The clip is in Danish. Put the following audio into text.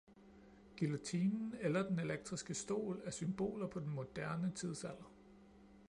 Guillotinen eller den elektriske stol er symboler på den moderne tidsalder.